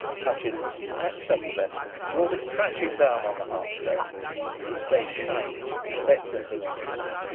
Hutchins snatched up the vessel and brought it crashing down on the hearthstone, his face shining with a set resolution.